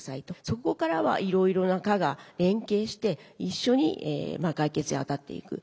そこからはいろいろな課が連携して一緒に解決にあたっていく。